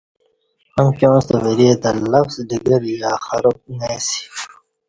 "امکیاں ستہ ورے تہ لفظ ڈگر یا خراب"" نہ اسی"